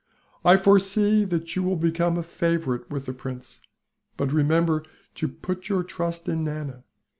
I foresee that you will become a favourite with the prince, but remember to put your trust in Nana.